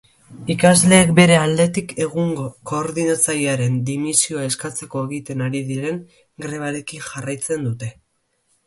Ikasleek bere aldetik egungo koordinatzailearen dimisioa eskatzeko egiten ari diren grebarekin jarraitzen dute.